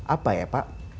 apa ya pak